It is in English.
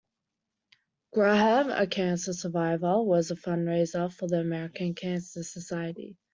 Graham, a cancer survivor, was a fundraiser for the American Cancer Society.